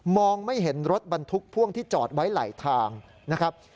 ไม่เห็นรถบรรทุกพ่วงที่จอดไว้ไหลทางนะครับ